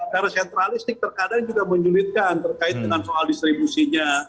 karena sentralistik terkadang juga menjulitkan terkait dengan soal distribusinya